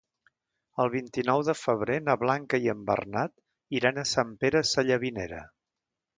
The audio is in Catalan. El vint-i-nou de febrer na Blanca i en Bernat iran a Sant Pere Sallavinera.